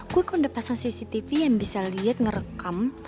gue kan udah pasang cctv yang bisa lihat ngerekam